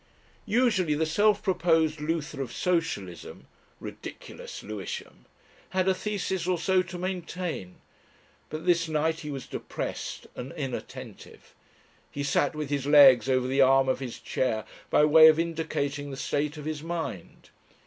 Usually the self proposed "Luther of Socialism" ridiculous Lewisham! had a thesis or so to maintain, but this night he was depressed and inattentive. He sat with his legs over the arm of his chair by way of indicating the state of his mind.